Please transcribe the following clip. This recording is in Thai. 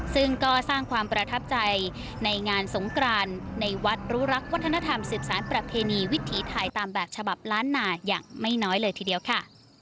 ซึ่งก็สร้างความประทับใจในงานสงกรานในวัดรู้รักวัฒนธรรมสืบสารประเพณีวิถีไทยตามแบบฉบับล้านนาอย่างไม่น้อยเลยทีเดียวค่ะ